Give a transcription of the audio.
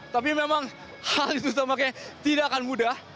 tapi memang hal itu tampaknya tidak akan mudah